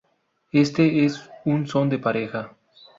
Este es un son de pareja.